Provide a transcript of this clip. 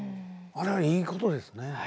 あれはいいことですね。